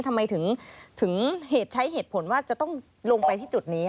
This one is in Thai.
ทำไมถึงใช้เหตุผลว่าจะต้องลงไปที่จุดนี้